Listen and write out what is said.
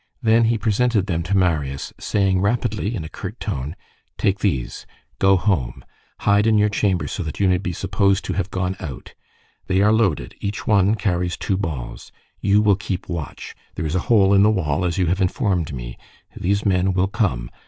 Then he presented them to Marius, saying rapidly, in a curt tone:— "Take these. Go home. Hide in your chamber, so that you may be supposed to have gone out. They are loaded. Each one carries two balls. You will keep watch; there is a hole in the wall, as you have informed me. These men will come.